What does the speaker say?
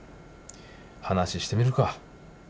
話してみるか。